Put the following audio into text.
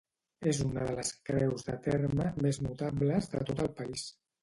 És una de les creus de terme més notables de tot el país.